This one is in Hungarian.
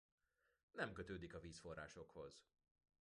Nem kötődik a vízforrásokhoz.